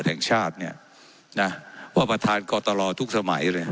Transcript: เจ้าหน้าที่ของรัฐมันก็เป็นผู้ใต้มิชชาท่านนมตรี